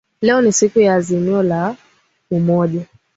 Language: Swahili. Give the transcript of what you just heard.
Leo ni siku ya azimio la umoja